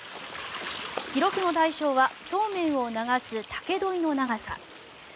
記録の対象はそうめんを流す竹どいの長さ。